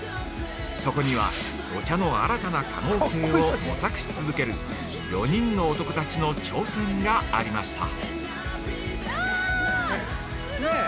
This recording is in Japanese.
そこには、お茶の新たな可能性を模索し続ける４人の男たちの挑戦がありました。